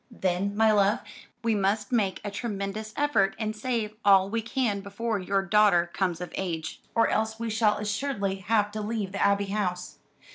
"Then, my love, we must make a tremendous effort and save all we can before your daughter comes of age, or else we shall assuredly have to leave the Abbey House.